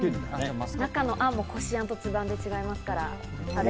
中のあんもこしあんと、つぶあんで違いますから。